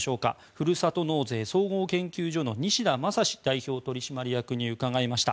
ふるさと納税総合研究所の西田匡志代表取締役に伺いました。